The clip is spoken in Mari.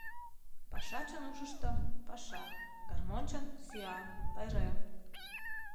Пашачын ушышто — паша, гармоньчын — сӱан, пайрем.